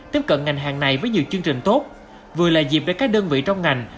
tiếp cận ngành hàng này với nhiều chương trình tốt vừa là dịp để các đơn vị trong ngành